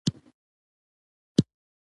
فقره د فکر تسلسل ساتي.